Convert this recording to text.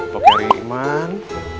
kelompok dari iman